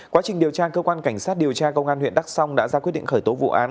quá trình điều tra cơ quan cảnh sát điều tra công an huyện đắk song đã ra quyết định khởi tố vụ án